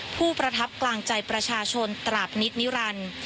ผู้ประทับกลางใจประชาชนตราบนิตนิรันดิ์